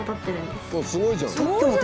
すごいじゃん！